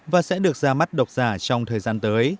và sẽ được ra mắt độc giả trong thời gian tới